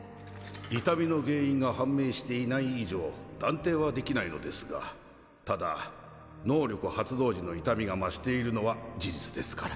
痛みの原因が判明していない以上断定はできないのですがただ能力発動時の痛みが増しているのは事実ですから。